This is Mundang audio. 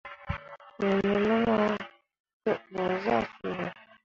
Me nenum ah te ɓu zah suu ɓe.